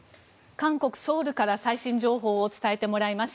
韓国ソウルから最新情報を伝えてもらいます。